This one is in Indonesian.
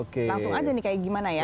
langsung aja nih kayak gimana ya